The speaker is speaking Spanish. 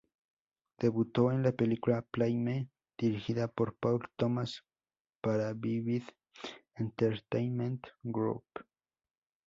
Debutó en la película "Play Me", dirigida por Paul Thomas para Vivid Entertainment Group.